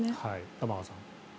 玉川さん。